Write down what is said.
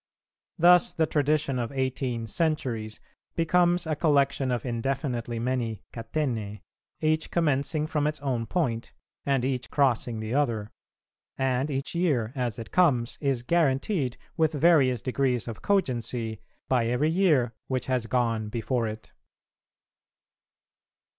Thus the tradition of eighteen centuries becomes a collection of indefinitely many catenæ, each commencing from its own point, and each crossing the other; and each year, as it comes, is guaranteed with various degrees of cogency by every year which has gone before it.